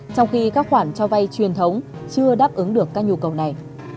trong khi các khoản cho vay truyền thống chưa đáp ứng được các nhu cầu này